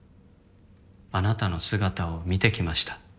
「あなたの姿を見てきました」